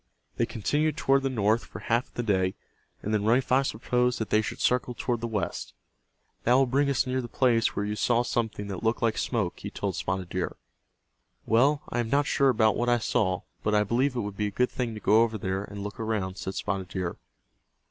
They continued toward the north for half of the day, and then Running Fox proposed that they should circle toward the west. "That will bring us near the place where you saw something that looked like smoke," he told Spotted Deer. "Well, I am not sure about what I saw, but I believe it would be a good thing to go over there, and look around," said Spotted Deer.